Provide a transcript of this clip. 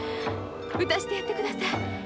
打たしてやってください。